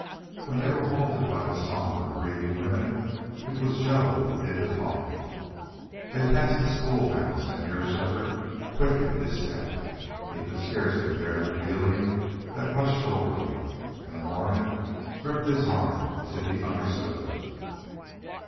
When they were halted by the somber, grieving women it was Joe who did the talking. They passed the school house, and here Shefford quickened his step. He could scarcely bear the feeling that rushed over him. And the Mormon gripped his arm as if he understood.